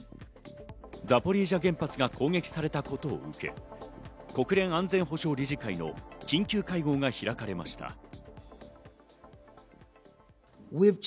ザポリージャ原発が攻撃されたことを受け、国連安全保障理事会の緊急会合が開かれました。